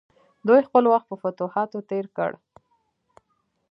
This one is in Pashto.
دوی خپل وخت په فتوحاتو تیر کړ.